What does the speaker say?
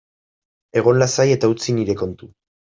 Egon lasai eta utzi nire kontu.